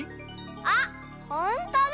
あっほんとだ！